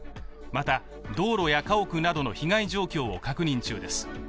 また、道路や家屋などの被害状況を確認中です。